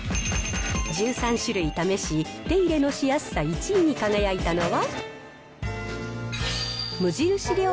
１３種類試し、手入れのしやすさ１位に輝いたのは。